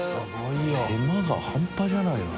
手間が半端じゃないな。